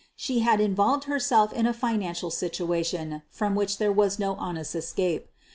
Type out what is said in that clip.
She had involved herself in a financial situation from which there was no honest escape.